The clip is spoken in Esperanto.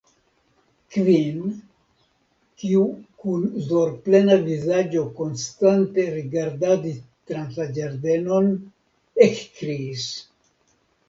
Kvin, kiu kun zorgplena vizaĝo konstante rigardadis trans la ĝardenon, ekkriis.